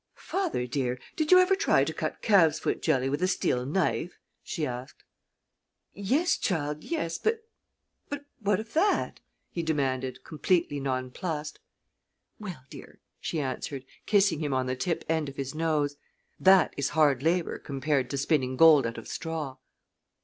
"Father, dear, did you ever try to cut calves foot jelly with a steel knife?" she asked. "Yes, child, yes but what of that?" he demanded, completely nonplussed. "Well, dear," she answered, kissing him on the tip end of his nose, "that is hard labor compared to spinning gold out of straw."